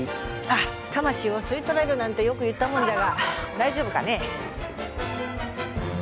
あっ魂を吸い取られるなんてよく言ったもんじゃが大丈夫かね？